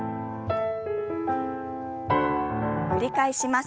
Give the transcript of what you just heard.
繰り返します。